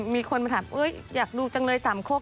มีคนมาถามอยากดูจังเลย๓คก